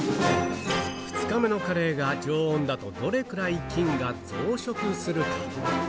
２日目のカレーが常温だとどれくらい菌が増殖するか。